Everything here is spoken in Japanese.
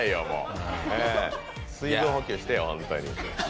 水分補給してよ、ホントに。